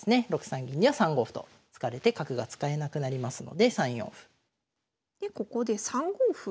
６三銀には３五歩と突かれて角が使えなくなりますので３四歩。でここで３五歩。